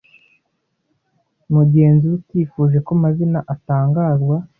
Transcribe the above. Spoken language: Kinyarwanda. Mugenzi we utifuje ko amazina atangazwa